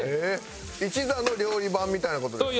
一座の料理番みたいな事ですか？